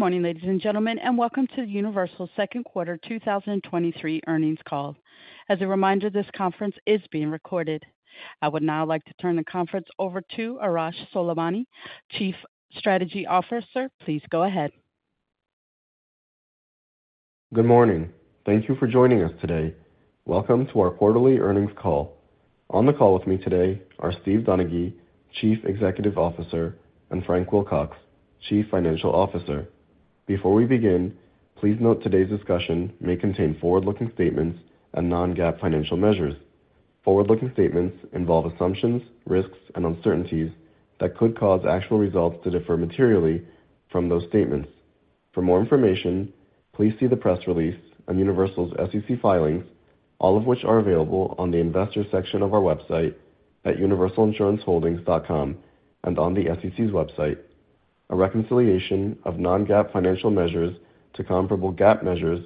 Good morning, ladies and gentlemen, and welcome to the Universal Second Quarter 2023 earnings call. As a reminder, this conference is being recorded. I would now like to turn the conference over to Arash Soleimani, Chief Strategy Officer. Please go ahead. Good morning. Thank you for joining us today. Welcome to our quarterly earnings call. On the call with me today are Steve Donaghy, Chief Executive Officer, and Frank Wilcox, Chief Financial Officer. Before we begin, please note today's discussion may contain forward-looking statements and non-GAAP financial measures. Forward-looking statements involve assumptions, risks, and uncertainties that could cause actual results to differ materially from those statements. For more information, please see the press release on Universal's SEC filings, all of which are available on the Investors section of our website at universalinsuranceholdings.com and on the SEC's website. A reconciliation of non-GAAP financial measures to comparable GAAP measures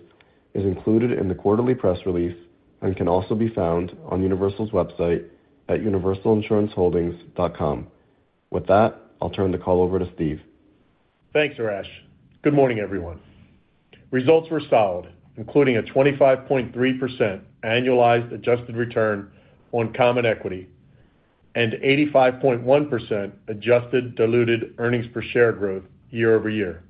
is included in the quarterly press release and can also be found on Universal's website at universalinsuranceholdings.com. With that, I'll turn the call over to Steve. Thanks, Arash. Good morning, everyone. Results were solid, including a 25.3% annualized adjusted return on common equity and 85.1% adjusted diluted earnings per share growth year-over-year.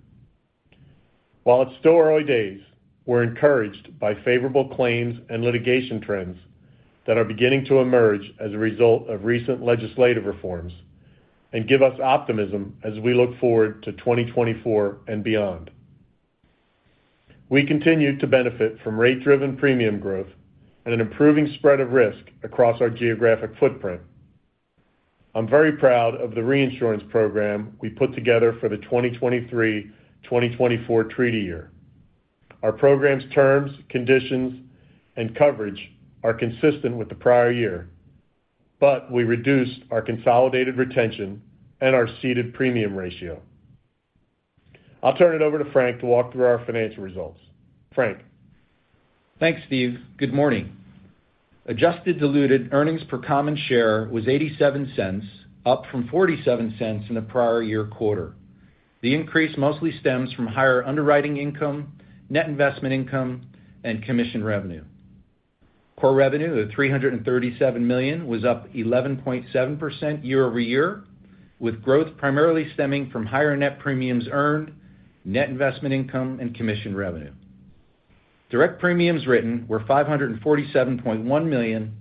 While it's still early days, we're encouraged by favorable claims and litigation trends that are beginning to emerge as a result of recent legislative reforms and give us optimism as we look forward to 2024 and beyond. We continue to benefit from rate-driven premium growth and an improving spread of risk across our geographic footprint. I'm very proud of the reinsurance program we put together for the 2023/2024 treaty year. Our program's terms, conditions, and coverage are consistent with the prior year, but we reduced our consolidated retention and our ceded premium ratio. I'll turn it over to Frank to walk through our financial results. Frank? Thanks, Steve. Good morning. Adjusted diluted earnings per common share was $0.87, up from $0.47 in the prior year quarter. The increase mostly stems from higher underwriting income, net investment income, and commission revenue. Core revenue of $337 million was up 11.7% year-over-year, with growth primarily stemming from higher net premiums earned, net investment income, and commission revenue. Direct premiums written were $547.1 million,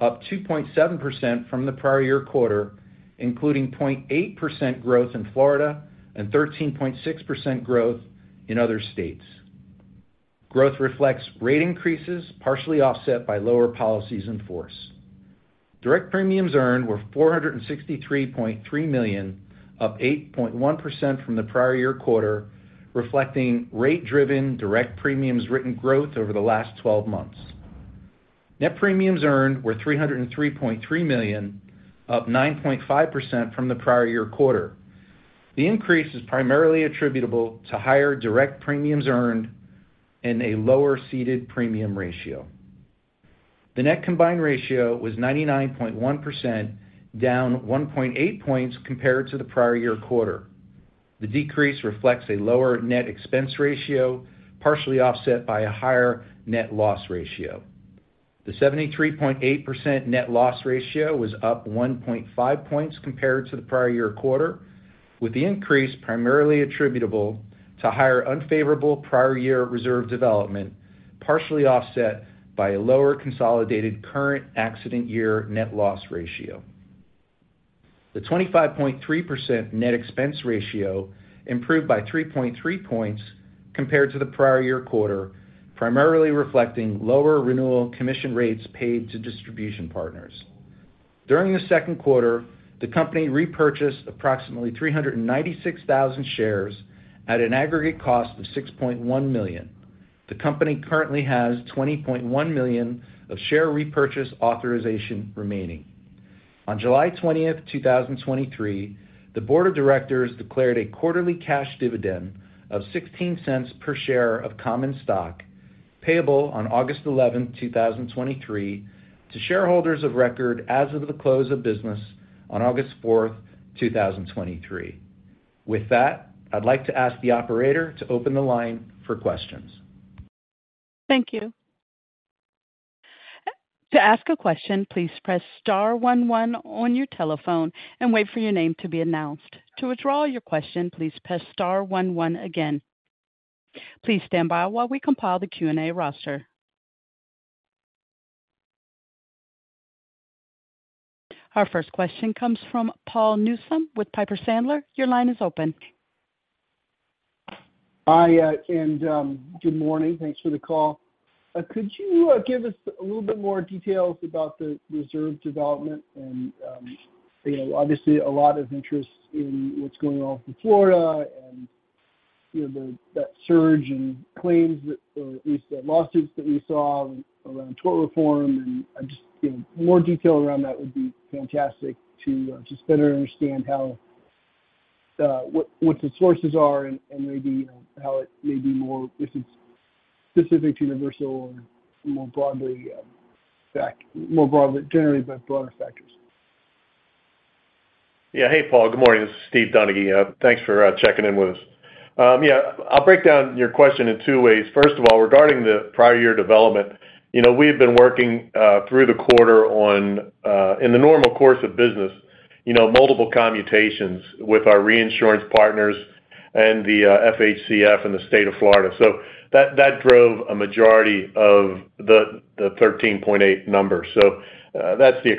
up 2.7% from the prior year quarter, including 0.8% growth in Florida and 13.6% growth in other states. Growth reflects rate increases, partially offset by lower policies in force. Direct premiums earned were $463.3 million, up 8.1% from the prior year quarter, reflecting rate-driven direct premiums written growth over the last 12 months. Net premiums earned were $303.3 million, up 9.5% from the prior year quarter. The increase is primarily attributable to higher direct premiums earned and a lower ceded premium ratio. The net combined ratio was 99.1%, down 1.8 points compared to the prior year quarter. The decrease reflects a lower net expense ratio, partially offset by a higher net loss ratio. The 73.8% net loss ratio was up 1.5 points compared to the prior year quarter, with the increase primarily attributable to higher unfavorable prior year reserve development, partially offset by a lower consolidated current accident year net loss ratio. The 25.3% net expense ratio improved by 3.3 points compared to the prior year quarter, primarily reflecting lower renewal commission rates paid to distribution partners. During the second quarter, the company repurchased approximately 396,000 shares at an aggregate cost of $6.1 million. The company currently has $20.1 million of share repurchase authorization remaining. On July 20th, 2023, the board of directors declared a quarterly cash dividend of $0.16 per share of common stock, payable on August 11th, 2023, to shareholders of record as of the close of business on August 4th, 2023. With that, I'd like to ask the operator to open the line for questions. Thank you. To ask a question, please press star one one on your telephone and wait for your name to be announced. To withdraw your question, please press star one one again. Please stand by while we compile the Q&A roster. Our first question comes from Paul Newsome with Piper Sandler. Your line is open. Hi, and good morning. Thanks for the call. Could you give us a little bit more details about the reserve development? You know, obviously, a lot of interest in what's going on in Florida and, you know, that surge in claims that, or at least the lawsuits that we saw around tort reform. Just, you know, more detail around that would be fantastic to just better understand how what, what the sources are and, and maybe, you know, how it may be more if it's specific to Universal or more broadly, fact-- more broadly, generally, but broader factors. Yeah. Hey, Paul, good morning. This is Steve Donaghy. Thanks for checking in with us. Yeah, I'll break down your question in two ways. First of all, regarding the prior year development, you know, we've been working through the quarter on in the normal course of business, you know, multiple commutations with our reinsurance partners and the FHCF in the state of Florida. That, that drove a majority of the 13.8% number. That's the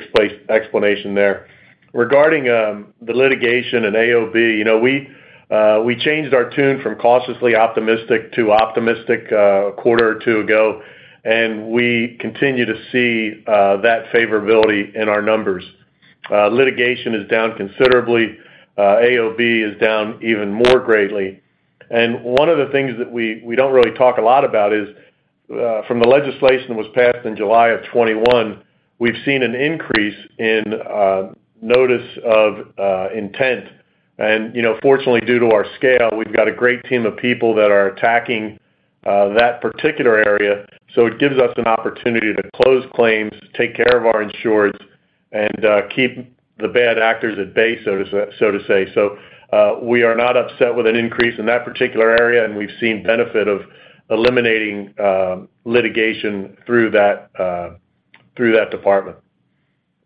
explanation there. Regarding the litigation and AOB, you know, we changed our tune from cautiously optimistic to optimistic a quarter or two ago, and we continue to see that favorability in our numbers. Litigation is down considerably. AOB is down even more greatly. One of the things that we, we don't really talk a lot about is, from the legislation that was passed in July of 2021, we've seen an increase in notice of intent. You know, fortunately, due to our scale, we've got a great team of people that are attacking that particular area. It gives us an opportunity to close claims, take care of our insureds, and keep the bad actors at bay, so to say. We are not upset with an increase in that particular area, and we've seen benefit of eliminating litigation through that, through that department.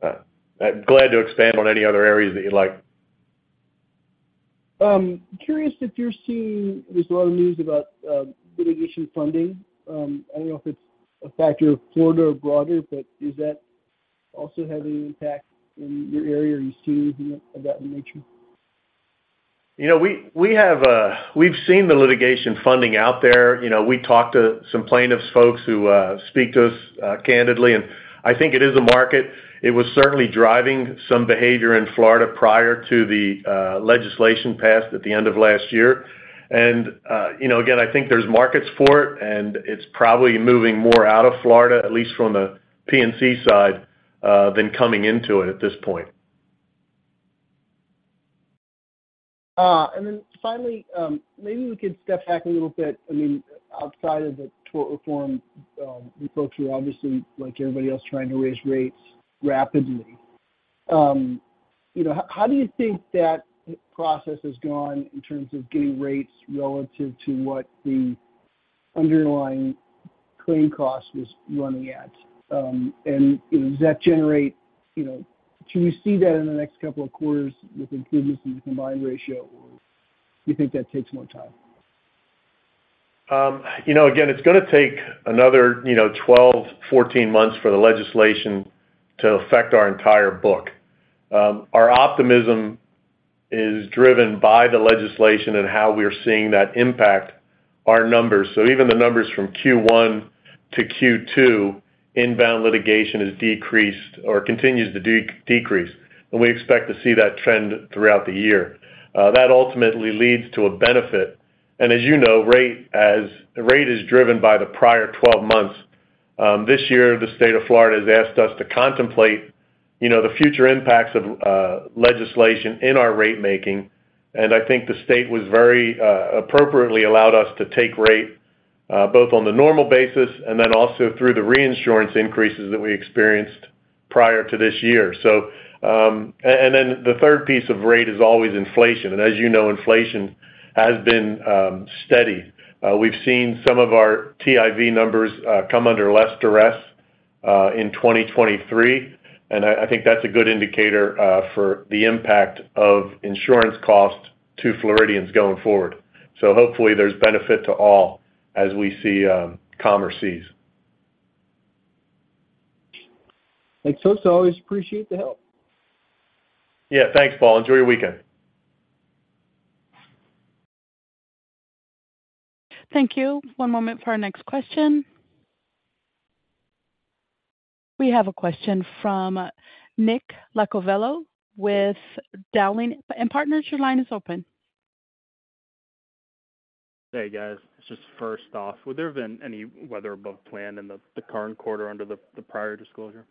I'm glad to expand on any other areas that you'd like. Curious if you're seeing, there's a lot of news about, litigation funding. I don't know if it's a factor of Florida or broader, but is that also having an impact in your area, or are you seeing anything of that nature? You know, we, we have, we've seen the litigation funding out there. You know, we talked to some plaintiffs, folks who speak to us candidly, and I think it is a market. It was certainly driving some behavior in Florida prior to the legislation passed at the end of last year. You know, again, I think there's markets for it, and it's probably moving more out of Florida, at least from a P&C side, than coming into it at this point. Then finally, maybe we could step back a little bit. I mean, outside of the tort reform, you folks are obviously, like everybody else, trying to raise rates rapidly. You know, how, how do you think that process has gone in terms of getting rates relative to what the underlying claim cost is running at? Does that generate, you know-- can you see that in the next two quarters with improvements in the combined ratio, or do you think that takes more time? You know, again, it's gonna take another, you know, 12, 14 months for the legislation to affect our entire book. Our optimism is driven by the legislation and how we are seeing that impact our numbers. Even the numbers from Q1 to Q2, inbound litigation has decreased or continues to decrease, and we expect to see that trend throughout the year. That ultimately leads to a benefit. As you know, rate as, rate is driven by the prior 12 months. This year, the state of Florida has asked us to contemplate, you know, the future impacts of legislation in our rate making, and I think the state was very appropriately allowed us to take rate both on the normal basis and then also through the reinsurance increases that we experienced prior to this year. And then the third piece of rate is always inflation, and as you know, inflation has been steady. We've seen some of our TIV numbers come under less duress in 2023, and I think that's a good indicator for the impact of insurance costs to Floridians going forward. Hopefully, there's benefit to all as we see calmer seas. Thanks so, so always appreciate the help. Yeah, thanks, Paul. Enjoy your weekend. Thank you. One moment for our next question. We have a question from Nicolas Iacoviello with Dowling & Partners. Your line is open. Hey, guys. Just first off, would there have been any weather above plan in the current quarter under the prior disclosure?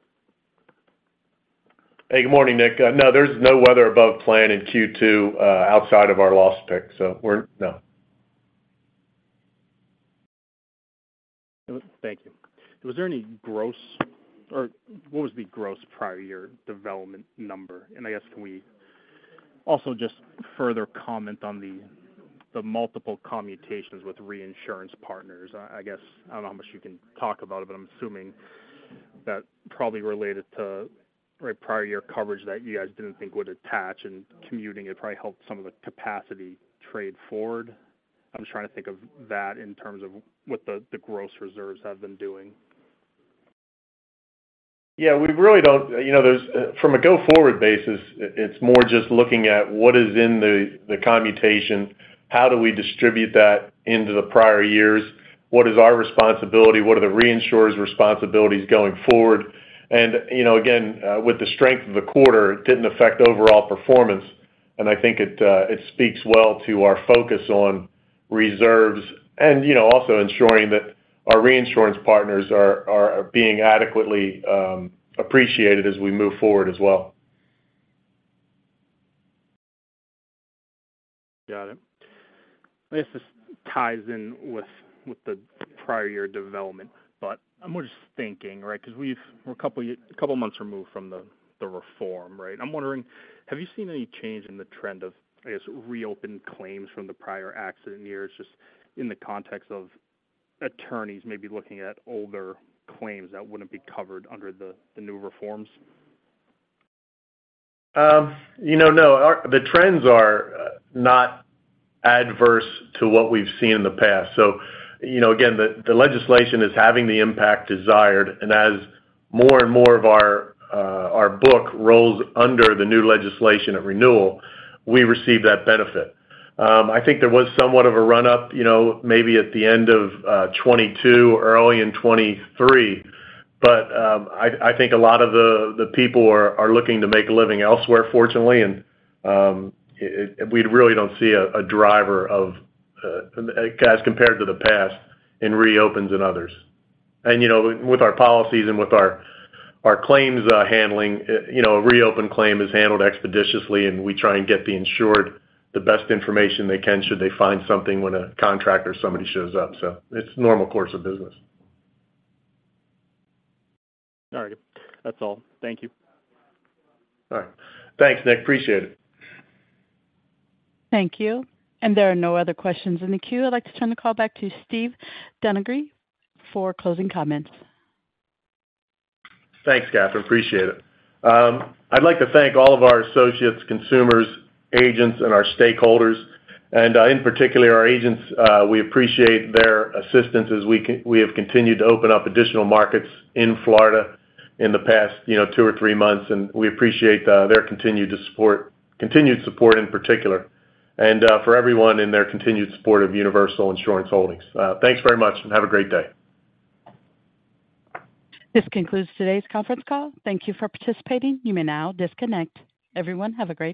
Hey, good morning, Nick. No, there's no weather above plan in Q2, outside of our loss pick, so we're... No. Thank you. Was there any gross, or what was the gross prior year development number? I guess, can we also just further comment on the multiple commutations with reinsurance partners? I guess, I don't know how much you can talk about it, but I'm assuming that probably related to right prior year coverage that you guys didn't think would attach and commuting, it probably helped some of the capacity trade forward. I'm trying to think of that in terms of what the gross reserves have been doing. Yeah, we really don't-- you know, there's from a go-forward basis, it, it's more just looking at what is in the commutation, how do we distribute that into the prior years? What is our responsibility? What are the reinsurers' responsibilities going forward? You know, again, with the strength of the quarter, it didn't affect overall performance. I think it speaks well to our focus on reserves and, you know, also ensuring that our reinsurance partners are, are, are being adequately appreciated as we move forward as well. Got it. I guess this ties in with, with the prior year development, but I'm just thinking, right, 'cause we're a couple months removed from the reform, right? I'm wondering, have you seen any change in the trend of, I guess, reopened claims from the prior accident years, just in the context of attorneys maybe looking at older claims that wouldn't be covered under the new reforms? You know, no. Our, the trends are not adverse to what we've seen in the past. You know, again, the, the legislation is having the impact desired, and as more and more of our book rolls under the new legislation at renewal, we receive that benefit. I think there was somewhat of a run-up, you know, maybe at the end of 2022 or early in 2023. I, I think a lot of the, the people are, are looking to make a living elsewhere, fortunately, and it, we really don't see a, a driver of as compared to the past in reopens and others. You know, with our policies and with our, our claims, handling, you know, a reopen claim is handled expeditiously, and we try and get the insured the best information they can should they find something when a contractor or somebody shows up. It's normal course of business. All right. That's all. Thank you. All right. Thanks, Nick. Appreciate it. Thank you. There are no other questions in the queue. I'd like to turn the call back to Steve Donaghy for closing comments. Thanks, Catherine. Appreciate it. I'd like to thank all of our associates, consumers, agents and our stakeholders, and, in particular, our agents, we appreciate their assistance as we have continued to open up additional markets in Florida in the past, you know, two or three months, and we appreciate their continued support, continued support in particular, and, for everyone in their continued support of Universal Insurance Holdings. Thanks very much and have a great day. This concludes today's conference call. Thank you for participating. You may now disconnect. Everyone, have a great day.